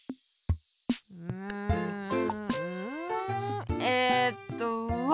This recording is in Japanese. うんえっとわ！